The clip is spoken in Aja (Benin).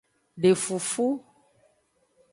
De fufu.